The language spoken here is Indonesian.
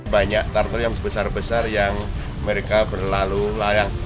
banyak turtle yang besar besar yang mereka berlalu layang